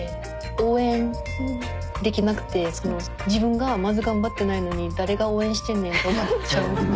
応援できなくて自分がまず頑張ってないのに誰が応援してんねんって思っちゃうんで。